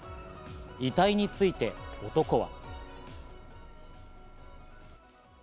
遺体について男は。